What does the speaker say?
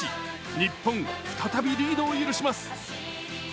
日本、再びリードを許します。